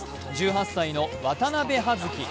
１８歳の渡部葉月。